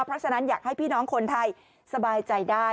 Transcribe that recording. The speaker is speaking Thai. เพราะฉะนั้นอยากให้พี่น้องคนไทยสบายใจได้